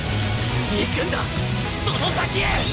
行くんだその先へ！